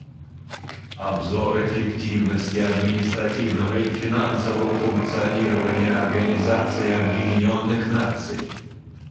Обзор эффективности административного и финансового функционирования Организации Объединенных Наций.